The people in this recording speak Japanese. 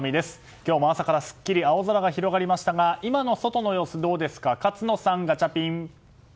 今日も朝からすっきり青空が広がりましたが今の外の様子はどうですか勝野さん、ガチャピン。